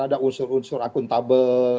ada unsur unsur akuntabel